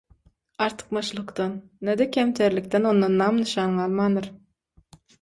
artykmaçlykdan, ne-de kemterlikden onda nam-nyşan galmandyr.